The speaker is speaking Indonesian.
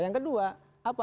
yang kedua apa